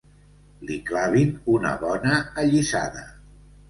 Li clavin una bona allisada.